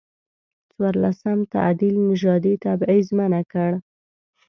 څورلسم تعدیل نژادي تبعیض منع کړ.